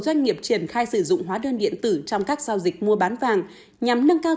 doanh nghiệp triển khai sử dụng hóa đơn điện tử trong các giao dịch mua bán vàng nhằm nâng cao